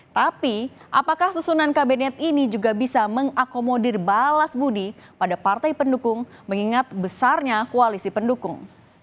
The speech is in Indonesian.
tapi apakah susunan kabinet ini juga bisa mengakomodir balas budi pada partai pendukung mengingat besarnya koalisi pendukung